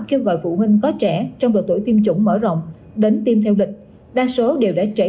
kêu gọi phụ huynh có trẻ trong độ tuổi tiêm chủng mở rộng đến tiêm theo lịch đa số đều đã trẻ